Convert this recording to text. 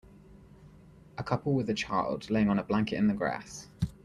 A couple with a child laying on a blanket in the grass.